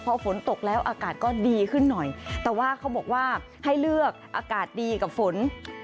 พอฝนตกแล้วอากาศก็ดีขึ้นหน่อยแต่ว่าเขาบอกว่าให้เลือกอากาศดีกับฝน